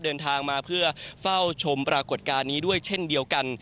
เดินทางมาเพื่อเฝ้าชมปรากฏการณ์นี้ด้วยเช่นเดียวกัน